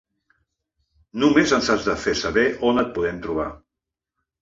Només ens has de fer saber on et podem trobar.